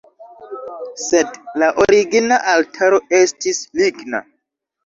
Sed la origina altaro estis ligna.